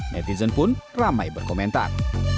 netizen pun ramai berkomentar